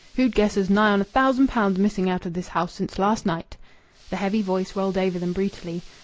Who'd guess as nigh on a thousand pound's missing out of this house since last night!" The heavy voice rolled over them brutally.